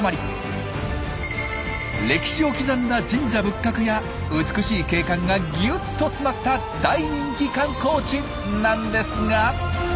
歴史を刻んだ神社仏閣や美しい景観がぎゅっと詰まった大人気観光地！なんですが。